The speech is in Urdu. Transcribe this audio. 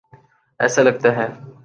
ایسا لگتا ہے۔